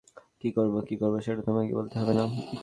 কী করব, কী করব না সেটা তোমাকে বলতে হবে না।